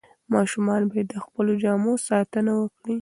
ماشومان باید د خپلو جامو ساتنه وکړي.